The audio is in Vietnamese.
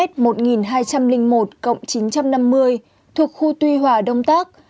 thuộc khu tuy hòa đông tác